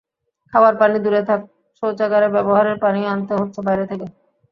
খাবার পানি দূরে থাক, শৌচাগারে ব্যবহারের পানিও আনতে হচ্ছে বাইরে থেকে।